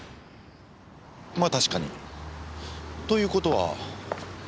まあ確かに。という事は。